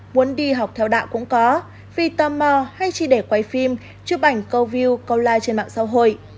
muốn đi học theo đạo cũng có fi tò mò hay chỉ để quay phim chụp ảnh câu view câu like trên mạng xã hội